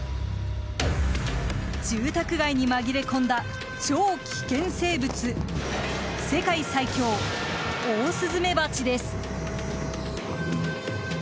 住宅街にまぎれ込んだ超危険生物世界最凶オオスズメバチです。